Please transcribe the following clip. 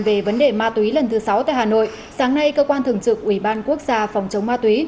về vấn đề ma túy lần thứ sáu tại hà nội sáng nay cơ quan thường trực ubnd phòng chống ma túy